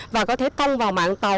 và có thể tông vào mạng tàu